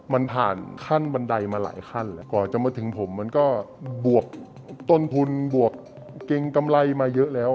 มันผ่านขั้นบันไดมาหลายขั้นแล้วกว่าจะมาถึงผมมันก็บวกต้นทุนบวกเกรงกำไรมาเยอะแล้ว